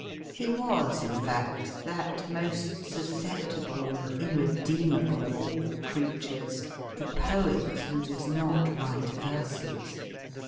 He was, in fact, that most susceptible and irredeemable of all creatures — the poet who does not write verses.